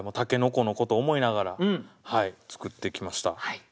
筍のことを思いながら作ってきました。